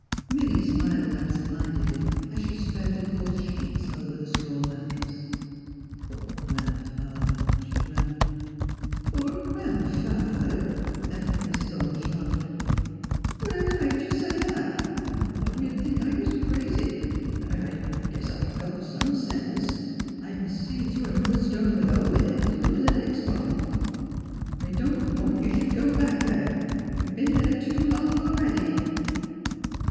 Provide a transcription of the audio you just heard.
Milly smiled absent mindedly, as she spread the coarse sheets over the straw mattress. '' Poor Gran 'father," she murmured, " Poor Gran 'father! " echoed Mrs. Orne, sharply. " Whatever makes you say that? A body 'd think I was crazy, er — er — I guess I got some sense. I c'n see through a millstone with a hole in it s' good 's the next one. I don't want you should go back there. You b'en there too long a 'ready."